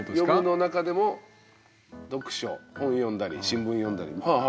「読む」の中でも「読書」本読んだり新聞読んだり。